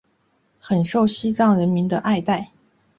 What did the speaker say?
很受西藏人民的爱戴。